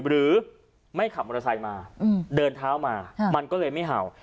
หรือไม่ขับมอเตอร์ไซค์มาเดินเท้ามามันก็เลยไม่เห่า